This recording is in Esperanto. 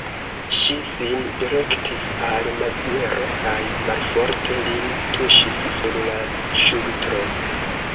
Ŝi sin direktis al Maziero, kaj malforte lin tuŝis sur la ŝultro.